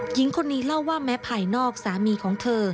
หญิงคนนี้เล่าว่าแม้ภายนอกสามีของเธอ